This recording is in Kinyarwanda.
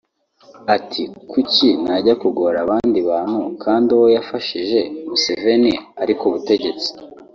Ati “Kuki najya kugora abandi bantu kandi uwo yafashije [Museveni] ari ku butegetsi